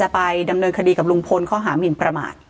ไปดำเนินคดีกับลุงพลข้อหามินประมาท